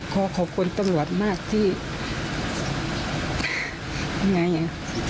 ขอขอบคุณตัววัดมากที่ยังไงอะ